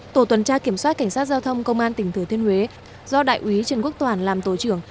tổ tuần tra kiểm soát cảnh sát giao thông công an tỉnh thừa thiên huế do đại úy trần quốc toàn làm tổ trưởng